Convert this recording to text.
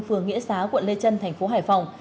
phường nghĩa xá quận lê trân tp hải phòng